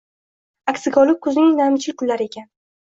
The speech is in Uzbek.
Aksiga olib, kuzning namchil kunlari ekan